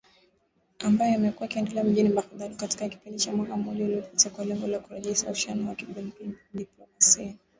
Ambayo yamekuwa yakiendelea mjini Baghdad katika kipindi cha mwaka mmoja uliopita kwa lengo la kurejesha uhusiano wa kidiplomasia